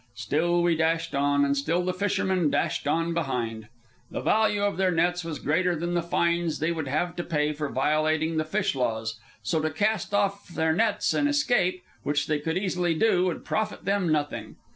Still we dashed on, and still the fishermen dashed on behind. The value of their nets was greater than the fines they would have to pay for violating the fish laws; so to cast off from their nets and escape, which they could easily do, would profit them nothing.